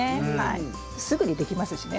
すぐにできますしね。